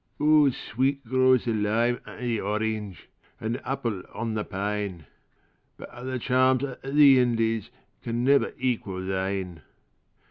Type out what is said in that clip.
O sweet grows the lime and the orange, And the apple on the pine; But a' the charms o' the IndiesCan never equal thine.